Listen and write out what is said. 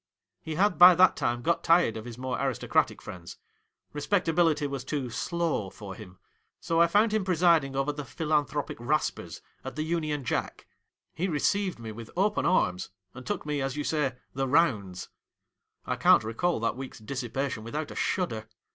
He had by that time got tired of his more aristocratic friends. Respectability was too "slow" for him, sol found him presiding over the " Philanthropic Raspers," at the " Union Jack." He received me with open arms, and took me, as you say, the " rounds." I can't recal that week's dis sipation without a shudder.